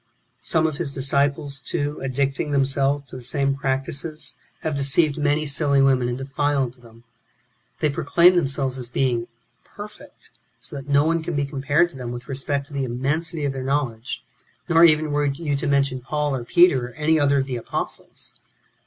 6. Some of his disciples, too, addicting themselves^ to the same practices, have deceived many silly women, and defiled them. They proclaim themselves as being " perfect," so that no one can be compared to them with respect to the immen sity of their knowledge, nor even were you to mention Paul or Peter, or any other of the apostles.